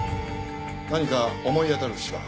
何か思い当たる節は？